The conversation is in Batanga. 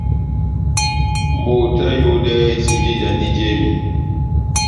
Moto aháyodɛ isinji ijanidi jémi.